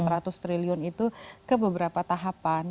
rp empat ratus triliun itu ke beberapa tahapan